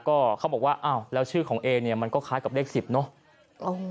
ก็เขาบอกว่าอ้าวแล้วชื่อของเอเนี่ยมันก็คล้ายกับเลขสิบเนอะ